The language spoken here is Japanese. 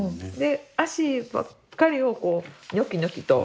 足ばっかりをニョキニョキと。